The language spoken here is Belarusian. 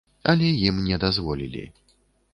Але ім не дазволілі.